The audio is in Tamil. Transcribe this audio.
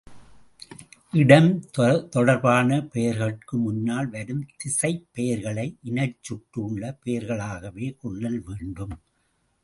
இடம் தொடர்பான பெயர்கட்கு முன்னால் வரும் திசைப் பெயர்களை இனச்சுட்டு உள்ள பெயர்களாகவே கொள்ளல் வேண்டும்.